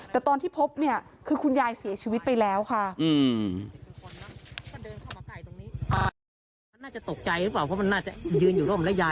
แต่ตอนที่พบเนี่ยคือคุณยายเสียชีวิตไปแล้วค่ะ